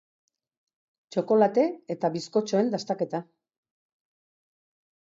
Txokolate eta bizkotxoen dastaketa.